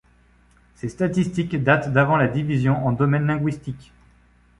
Ces statistiques datent d'avant la division en domaines linguistiques.